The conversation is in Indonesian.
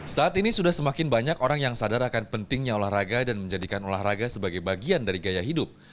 saat ini sudah semakin banyak orang yang sadar akan pentingnya olahraga dan menjadikan olahraga sebagai bagian dari gaya hidup